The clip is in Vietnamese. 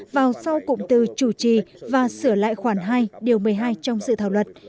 vào sau cụm từ chủ trì và sửa lại khoản hai điều một mươi hai trong dự thảo luật